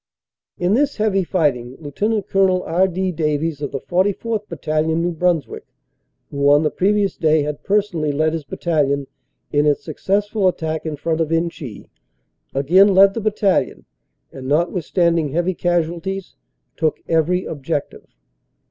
In this heavy fighting Lt. Col. R. D. Davies of the 44th. Battalion, New Brunswick, who on the previous day had per sonally led his battalion in its successful attack in front of Inchy, again led the battalion, and notwithstanding heavy casualties, took every objective.